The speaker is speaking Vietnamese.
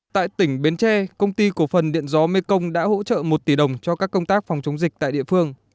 tại tỉnh bến tre công ty cổ phần điện gió mê công đã hỗ trợ một tỷ đồng cho các công tác phòng chống dịch tại địa phương